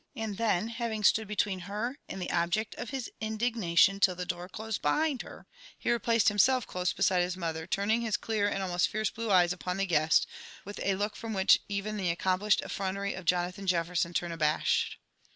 and then, hav ing stood between her and the object of his indignation till the door closed behind her, he replaced himself close beside his mother, turning his clear and almost fierce blue eyes upon the guest, with a look from which even the accomplished effrontery of Jonathan Jefferson turned abashed.